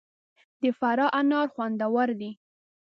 د فراه انار خوندور دي